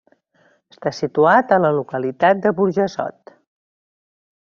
Està situat a la localitat de Burjassot.